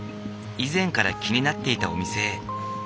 以前から気になっていたお店へ。